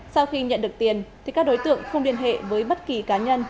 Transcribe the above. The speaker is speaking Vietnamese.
sau khi nhận được tiền các đối tượng không liên hệ với bất kỳ cá nhân